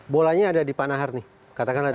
bolanya ada di pak nahar nih katakanlah